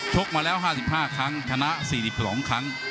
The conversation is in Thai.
กมาแล้ว๕๕ครั้งชนะ๔๒ครั้ง